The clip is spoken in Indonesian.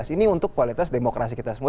ini untuk kualitas demokrasi kita semua